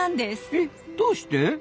えっどうして？